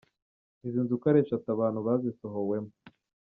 Izi nzu uko ari eshatu abantu bazisohowemo.